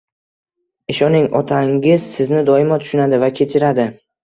Ishoning, otangiz sizni doimo tushunadi va kechiradi,.